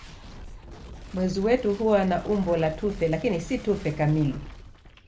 Mwezi wetu huwa na umbo la tufe lakini si tufe kamili.